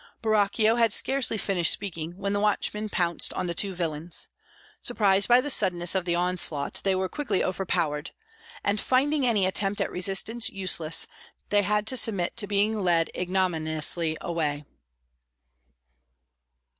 Borachio had scarcely finished speaking when the watchmen pounced on the two villains. Surprised by the suddenness of the onslaught, they were quickly overpowered, and, finding any attempt at resistance useless, they had to submit to being led ignominiously away.